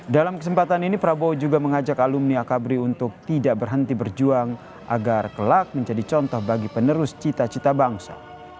dalam kesempatan ini prabowo juga mengajak alumni akabri untuk tidak berhenti berjuang agar kelak menjadi contoh bagi penerus cita cita bangsa